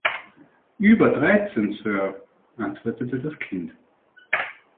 „Über dreizehn, Sir“, antwortete das Kind.